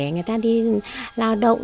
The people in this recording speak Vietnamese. người ta đi lao động